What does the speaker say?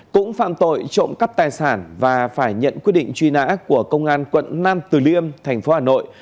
cũng phạm tội trộm cắp tài sản và phải nhận quyết định truy nã của công an quận nam từ liêm thành phố hà nội